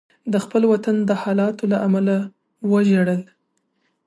د خپل وطن د حالاتو له امله وژړل.